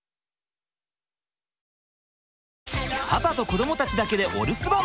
パパと子どもたちだけでお留守番！